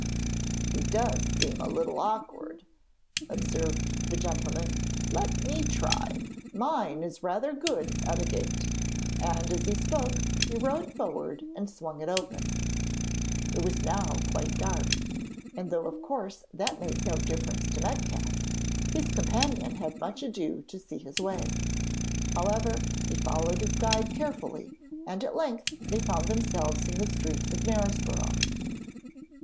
'He does seem a little awkward,' observed the gentleman. 'Let me try: mine is rather good at a gate,' and as he spoke he rode forward and swung it open. It was now quite dark, and though of course that made no difference to Metcalfe, his companion had much ado to see his way. However, he followed his guide carefully and at length they found themselves in the streets of Knaresborough.